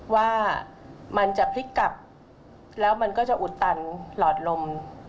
ว่ามันจะพลิกกลับแล้วมันก็จะอุดตันหลอดลม